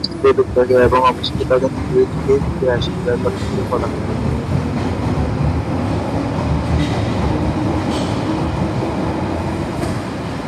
কিভাবে তারা তাদের পরিস্থিতিতে বেঁচে থাকে এবং অবশেষে তাদের নিজেদের যুগে ফিরে আসে যা চলচ্চিত্রের প্রধান কাহিনী।